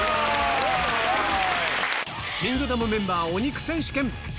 ありがとうございます。